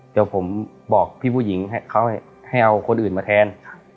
เดี๋ยวผมบอกพี่ผู้หญิงให้เขาให้เอาคนอื่นมาแทน